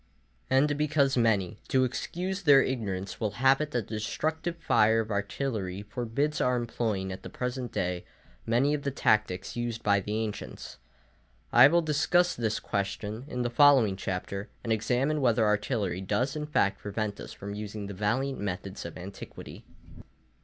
And because many, to excuse their ignorance, will have it that the destructive fire of artillery forbids our employing at the present day many of the tactics used by the ancients, I will discuss this question in the following Chapter, and examine whether artillery does in fact prevent us from using the valiant methods of antiquity.